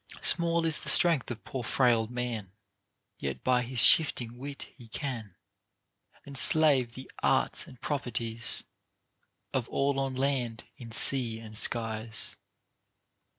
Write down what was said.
Small is the strength of poor frail man ; Yet by his shifting wit he can Enslave the arts and properties Of all on land, in sea and skies.